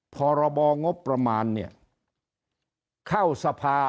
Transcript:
พรบงบประมาณเนี่ยเข้าสภา